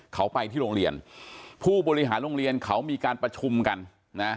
เขาไปที่โรงเรียนผู้บริหารโรงเรียนเขามีการประชุมกันนะ